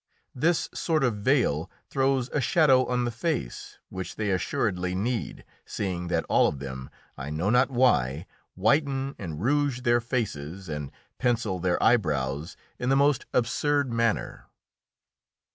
This sort of veil throws a shadow on the face, which they assuredly need, seeing that all of them, I know not why, whiten and rouge their faces and pencil their eyebrows in the most absurd manner.